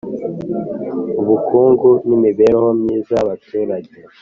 Ubukungu n Imibereho Myiza y Abaturage